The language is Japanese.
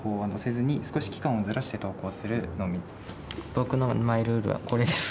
僕のマイルールはこれです。